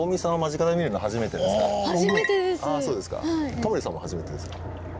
タモリさんも初めてですか？